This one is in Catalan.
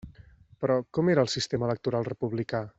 Però, ¿com era el sistema electoral republicà?